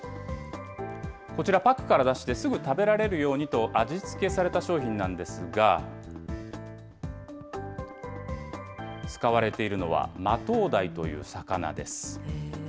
こちら、パックから出してすぐ食べられるようにと味付けされた商品なんですが、使われているのはマトウダイという魚です。